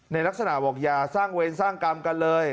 ในลักษณะบอกอย่าสร้างเวรสร้างกรรมกันเลย